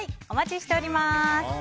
お待ちしております。